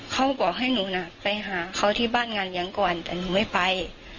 เขาบอกให้หนูน่ะไปหาเขาที่บ้านงานเลี้ยงก่อนแต่หนูไม่ไป